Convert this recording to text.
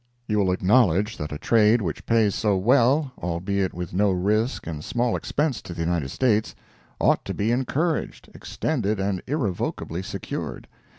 You will acknowledge that a trade which pays so well, albeit with no risk and small expense to the United States, ought to be encouraged, extended and irrevocably secured.